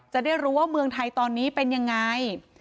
จะได้รู้ว่าเมืองไทยตอนนี้เป็นยังไง